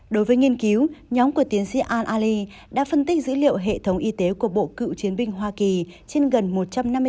đối với nghiên cứu nhóm của tiến sĩ al ali đã phân tích dữ liệu hệ thống y tế của bộ cựu chiến binh hoa kỳ